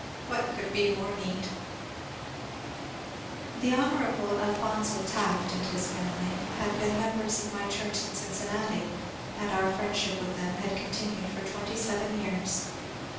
What could be more neat ? The Hon. Alphonzo Taft and his family had been mem bers of my church in Cincinnati, and our friendship with them had continued for twenty seven years.